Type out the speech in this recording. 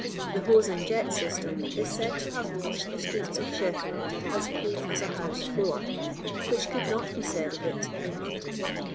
The hose and jet system is said to have washed the streets of Sheffield as clean as a house floor, which could not be said of it in London.